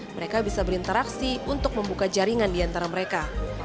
mereka bisa berinteraksi untuk membuka jaringan di antara mereka